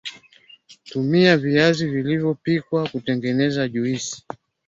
tumia Viazi vilivyopikwa kutengeneza juisi